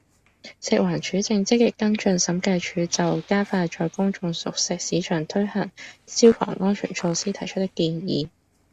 食環署正積極跟進審計署就加快在公眾熟食市場推行消防安全措施提出的建議